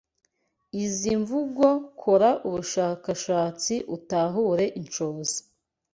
izi mvugo kora ubushakashatsi utahure inshoza